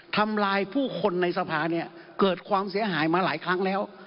ทำร้ายผู้คนในสภาเนี่ยเกิดความเสียหายมาหลายครั้งแล้ว